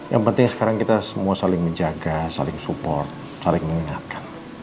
yang penting sekarang kita semua saling menjaga saling support saling mengingatkan